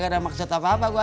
gak ada maksud apa apa gue